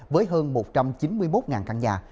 với hơn một trăm chín mươi một căn nhà